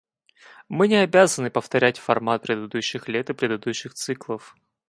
Мы не обязаны повторять формат предыдущих лет и предыдущих циклов.